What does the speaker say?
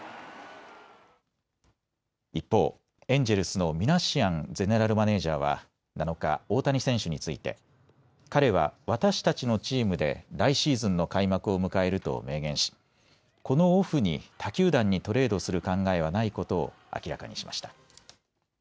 一方エンジェルスのミナシアンゼネラルマネージャーは７日、大谷選手について彼は私たちのチームで来シーズンの開幕を迎えると明言し、このオフに他球団にトレードする考えはないことを明らかにしました。